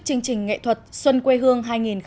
chương trình nghệ thuật xuân quê hương hai nghìn một mươi chín